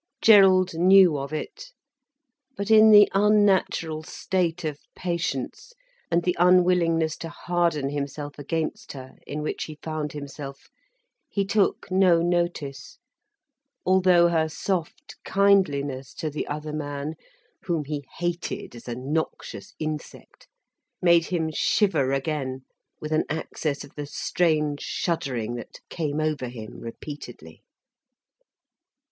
Gerald knew of it. But in the unnatural state of patience, and the unwillingness to harden himself against her, in which he found himself, he took no notice, although her soft kindliness to the other man, whom he hated as a noxious insect, made him shiver again with an access of the strange shuddering that came over him repeatedly.